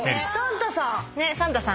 サンタさん！